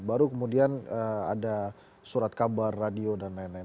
baru kemudian ada surat kabar radio dan lain lain